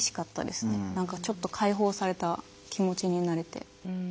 何かちょっと解放された気持ちになれて。